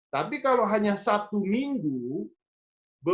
tapi kalau hanya satu minggu beban lintasan wilayah di kawasan ini semakin bertambah